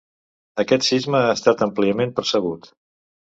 Aquest sisme ha estat àmpliament percebut.